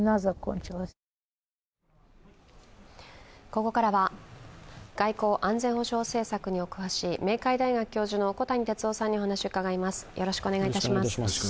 ここからは、外交・安全保障政策にお詳しい明海大学教授の小谷哲男さんにお話を伺います。